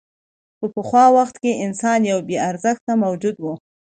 په پخوا وخت کې انسان یو بېارزښته موجود و.